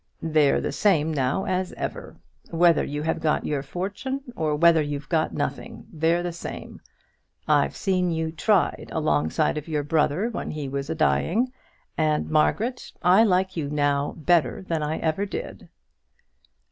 "They're the same now as ever. Whether you have got your fortune, or whether you've got nothing, they're the same. I've seen you tried alongside of your brother, when he was a dying, and, Margaret, I like you now better than ever I did."